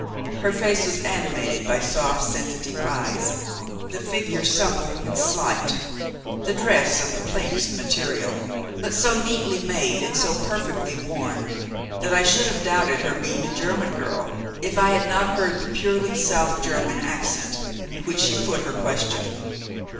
Her face was animated by soft sensitive eyes the figure supple and slight, the dress of the plainest material, but so neatly made and so perfectly worn that I should have doubted her being a German girl, if I had not heard the purely South German accent in which she put her question.